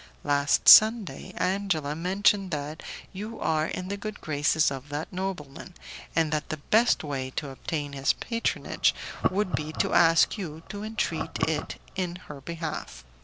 Last Sunday, Angela mentioned that you are in the good graces of that nobleman, and that the best way to obtain his patronage would be to ask you to entreat it in her behalf.